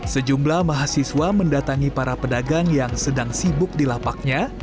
sejumlah mahasiswa mendatangi para pedagang yang sedang sibuk di lapaknya